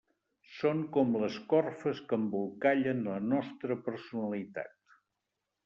Són com les corfes que embolcallen la nostra personalitat.